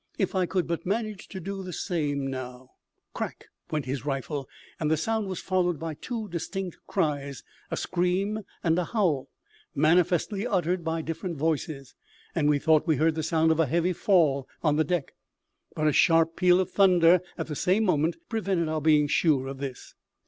"If I could but manage to do the same, now " Crack! went his rifle, and the sound was followed by two distinct cries a scream and a howl manifestly uttered by different voices, and we thought we heard the sound of a heavy fall on the deck, but a sharp peal of thunder at the same moment prevented our being sure of this.